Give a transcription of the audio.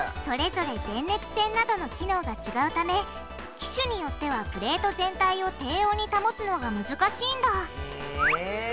それぞれ電熱線などの機能がちがうため機種によってはプレート全体を低温に保つのが難しいんだへぇ。